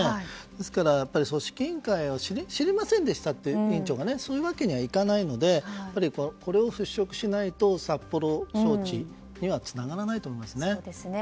ですから、組織委員会は知りませんでしたというわけにはいかないのでこれを払拭しないと札幌招致にはつながらないと思いますね。